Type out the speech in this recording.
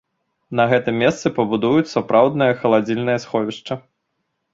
На гэтым месцы пабудуюць сапраўднае халадзільнае сховішча.